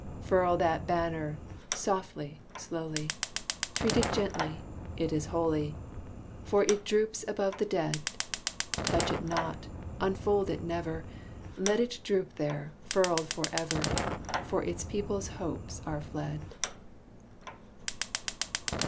Furl that Banner, softly, slowly; Treat it gently it is holy, For it droops above the dead; Touch it not unfold it never; Let it droop there, furled forever, For its people's hopes are fled.